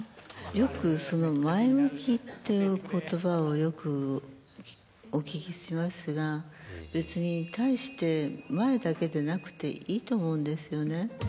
よく、その前向きっていうことばを、よくお聞きしますが、別に大して前だけでなくていいと思うんですよね。